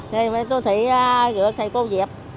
thì mấy cô thị gửi thầy cô gì ạ